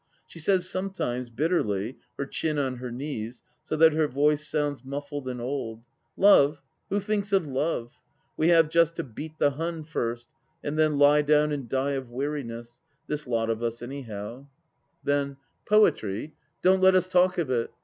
She says some times, bitterly, her chin on her knees, so that her voice sounds muffled and old :" Love, who thinks of Love ? We have just to beat the Hun first, and then lie down and die of weariness — ^this lot of us, anyhow." THE LAST DITCH 808 Then: " Poetry 1 Don't let us talk of it.